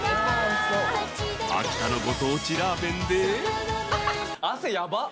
秋田のご当地ラーメンで。